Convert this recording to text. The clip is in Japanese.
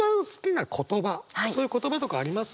そういう言葉とかあります？